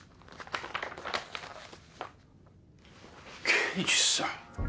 刑事さん